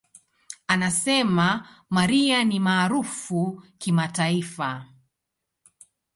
Anasema, "Mariah ni maarufu kimataifa.